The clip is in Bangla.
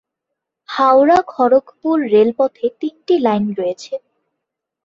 হাওড়া-খড়গপুর রেলপথে তিনটি লাইন রয়েছে।